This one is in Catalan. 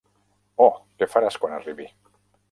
Oh, què faràs quan arribi?